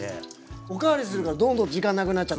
お代わりするからどんどん時間なくなっちゃって。